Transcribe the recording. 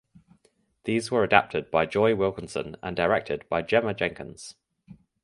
These were adapted by Joy Wilkinson and directed by Gemma Jenkins.